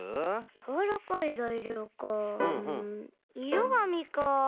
やわらかいざいりょうかうんいろがみか。